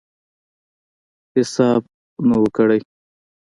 حساب نه وو کړی.